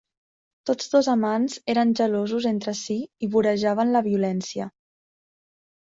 Tots dos amants eren gelosos entre si i vorejaven la violència.